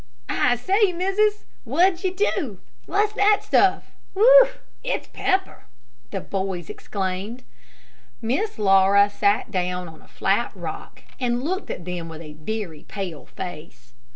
"I say, Missis, what did you do? What's that stuff? Whew, it's pepper!" the boys exclaimed. Miss Laura sat down on a flat rock, and looked at them with a very pale face.